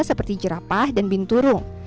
seperti jerapah dan binturung